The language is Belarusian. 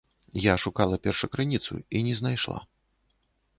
Я шукала першакрыніцу і не знайшла.